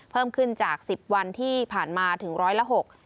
เพิ่มขึ้นจากสิบวันที่ผ่านมาถึงร้อยละหก